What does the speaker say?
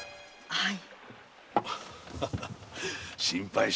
はい。